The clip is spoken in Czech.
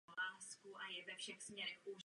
Co s ochranou klimatu?